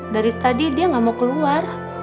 dari tadi dia nggak mau keluar